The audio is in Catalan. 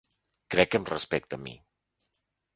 Crec que em respecta a mi.